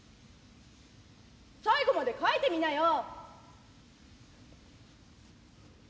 『最後まで書いてみなよ』」。